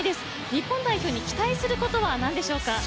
日本代表に期待することは何でしょうか。